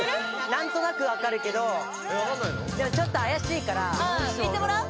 何となく分かるけどちょっと怪しいからああいってもらう？